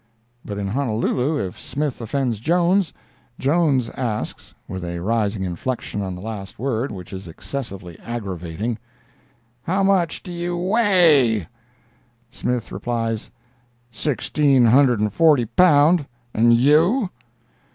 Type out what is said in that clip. But in Honolulu, if Smith offends Jones, Jones asks (with a rising inflection on the last word, which is excessively aggravating), "How much do you weigh?" Smith replies, "Sixteen hundred and forty pound—and you?"